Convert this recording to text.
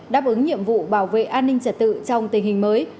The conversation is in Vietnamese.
đáp ứng nhiệm vụ bảo vệ an ninh trật tự trong tình hình mới